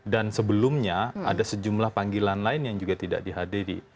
dan sebelumnya ada sejumlah panggilan lain yang juga tidak dihadiri